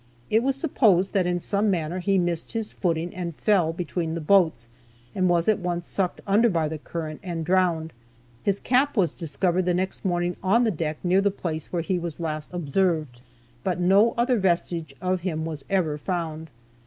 It was supposed that in some manner he missed his footing and fell between the boats, and was at once sucked under by the current and drowned. His cap was discovered next morning on the deck near the place where he was last observed, but no other vestige of him was ever found.